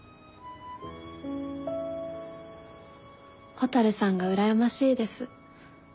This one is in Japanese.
蛍さんがうらやましいです。